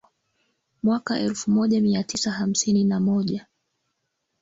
Mwaka wa elfu moja mia tisa hamsini na moja